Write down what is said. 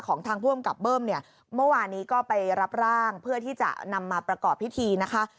ทางผู้อำกับเบิ้มเนี่ยเมื่อวานนี้ก็ไปรับร่างเพื่อที่จะนำมาประกอบพิธีนะคะ